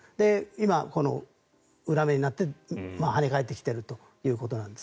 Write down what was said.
今、裏目になってはね返ってきていると。